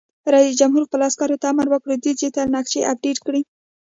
رئیس جمهور خپلو عسکرو ته امر وکړ؛ ډیجیټل نقشې اپډېټ کړئ!